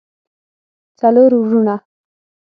څلور وروڼه